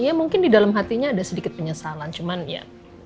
dia mungkin di dalam hatinya ada sedikit penyesalan cuman ya